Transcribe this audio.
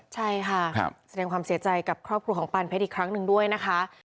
ใช่ค่ะแสดงความเสียใจกับครอบครัวของปานเพชรอีกครั้งหนึ่งด้วยนะคะ